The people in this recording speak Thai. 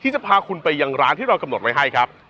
จะพาคุณไปยังร้านที่เรากำหนดไว้ให้ครับ